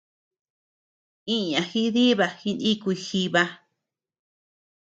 Iña jidiba jinikuy jiba.